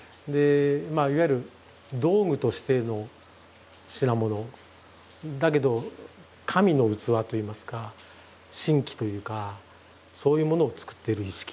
まあいわゆる道具としての品物だけど神の器といいますか神器というかそういうものをつくってる意識。